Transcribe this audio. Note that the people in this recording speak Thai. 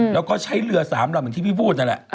แล้วก็ใช้เรือสามร่ำอย่างที่พี่พูดนั่นแหละ